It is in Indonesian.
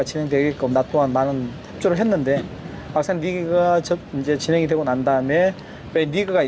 dan saya juga mengatakan banyak hal tersebut kepada pemerintah pemerintah